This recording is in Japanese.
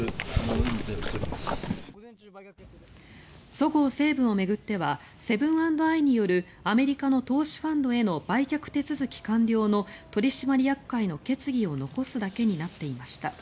そごう・西武を巡ってはセブン＆アイによるアメリカの投資ファンドへの売却手続き完了の取締役会の決議を残すだけになっていました。